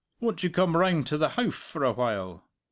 "Won't you come round to the Howff for a while?"